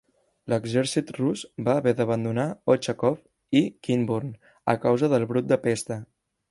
L'exèrcit rus va haver d'abandonar Ochakov i Kinburn a causa del brot de pesta.